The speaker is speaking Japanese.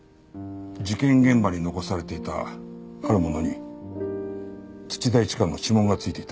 事件現場に残されていたあるものに土田一花の指紋が付いていた。